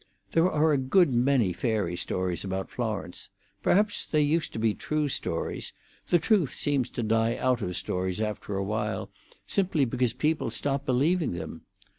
There are a good many fairy stories about Florence; perhaps they used to be true stories; the truth seems to die out of stories after a while, simply because people stop believing them.